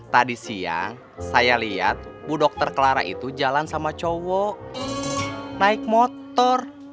tadi siang saya lihat bu dokter clara itu jalan sama cowok naik motor